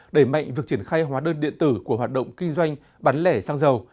đẩy mạnh việc triển khai hóa đơn điện tử của hoạt động kinh doanh bán lẻ sang giàu